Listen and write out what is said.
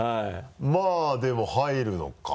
まぁでも入るのか。